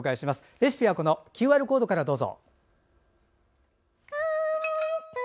レシピはＱＲコードからどうぞ。